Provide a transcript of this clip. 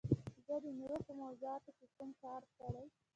زه د میوو په موضوعاتو کې هم کار کړی.